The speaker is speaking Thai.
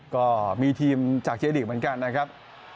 ก็มีทีมจากเจลีกเหมือนกันนะครับ